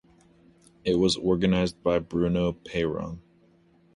It was organized by Bruno Peyron.